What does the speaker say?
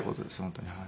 本当に。